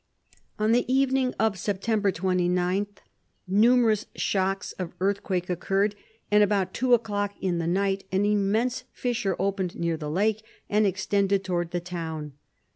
On the evening of September 29, numerous shocks of earthquake occurred, and about two o'clock in the night an immense fissure opened near the lake and extended toward the town.